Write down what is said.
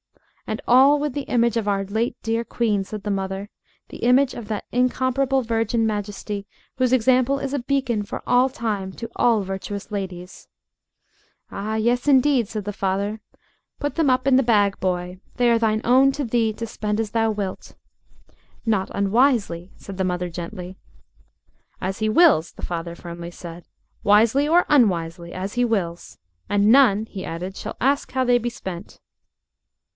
"And all with the image of our late dear Queen," said the mother; "the image of that incomparable virgin Majesty whose example is a beacon for all time to all virtuous ladies." [Illustration: "IT HURT, BUT DICKIE LIKED IT" [Page 157] "Ah, yes, indeed," said the father; "put them up in the bag, boy. They are thine own to thee, to spend as thou wilt." "Not unwisely," said the mother gently. "As he wills," the father firmly said; "wisely or unwisely. As he wills. And none," he added, "shall ask how they be spent."